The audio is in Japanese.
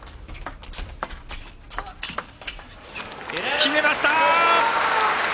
決めました！